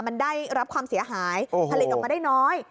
มันได้รับความเสียหายผลิตออกมาได้น้อย